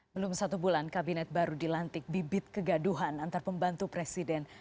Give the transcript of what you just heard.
belum satu bulan kabinet baru dilantik bibit kegaduhan antar pembantu presiden